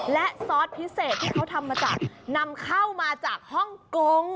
และซอสพิเศษที่เขาทำมาจากนำเข้ามาจากฮ่องกง